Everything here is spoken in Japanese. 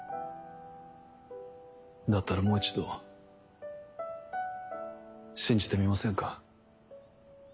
だったらもう一度信じてみませんか？